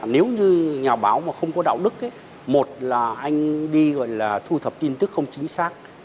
nếu như nhà báo mà không có đạo đức một là anh đi gọi là thu thập tin tức không chính xác